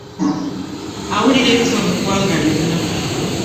Awulira ebifa mu ggwanga lyonna